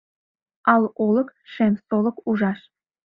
Ал олык — шем солык ужаш.